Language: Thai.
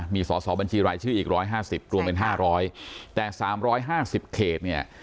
มีสอสอบัญชีรายชื่ออีก๑๕๐รวมเป็น๕๐๐แต่๓๕๐เขตเนี่ย